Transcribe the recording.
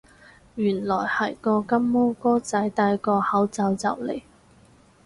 原來係個金毛哥仔戴個口罩就嚟